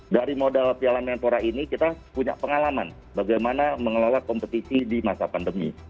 dari modal piala menpora ini kita punya pengalaman bagaimana mengelola kompetisi di masa pandemi